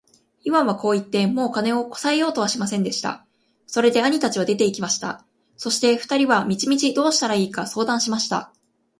イワンはこう言って、もう金をこさえようとはしませんでした。それで兄たちは出て行きました。そして二人は道々どうしたらいいか相談しました。